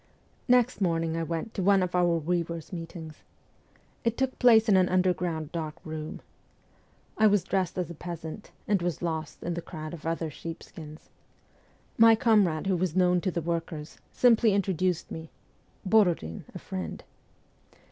Next morning I went to one of our weavers ST. PETERSBURG 121 meetings. It took place in an underground dark room. I was dressed as a peasant, and was lost in the crowd of other sheepskins. My comrade, who was known to the workers, simply introduced me :' Borodin, a friend.'